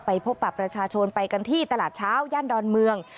พบปรับประชาชนไปกันที่ตลาดเช้าย่านดอนเมือง